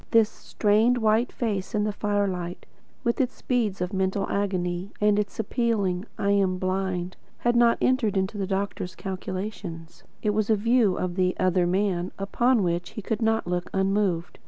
This strained white face in the firelight, with its beads of mental agony and its appealing "I am blind," had not entered into the doctor's calculations. It was a view of "the other man" upon which he could not look unmoved.